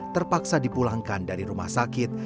terpaksa dipulangkan dari rumah sakit